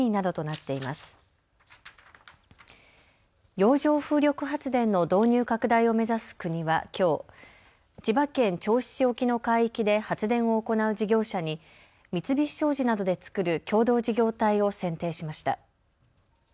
洋上風力発電の導入拡大を目指す国はきょう、千葉県銚子市沖の海域で発電を行う事業者に三菱商事などで作る共同事業体を選定しました。